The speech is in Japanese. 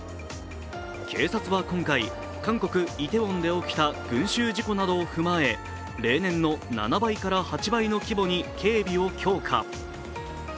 警察は今回、韓国イテウォンで起きた群集事故などを踏まえ、例年の７倍から８倍の規模に警備を強化。